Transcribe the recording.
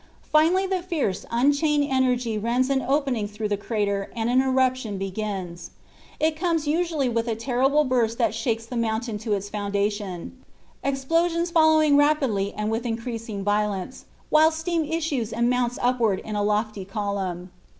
Finally the fierce unchained energy rends an opening through the crater and an eruption begins. It comes usually with a terrible burst that shakes the mountain to its foundation; explosions following rapidly and with increasing violence, while steam issues and mounts upward in a lofty column.